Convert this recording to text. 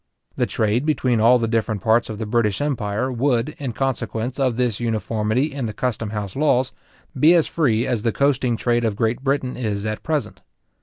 The trade between all the different parts of the British empire would, in consequence of this uniformity in the custom house laws, be as free as the coasting trade of Great Britain is at present.